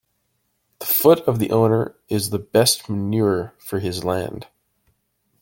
The foot of the owner is the best manure for his land.